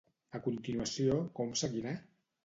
A continuació, com seguirà?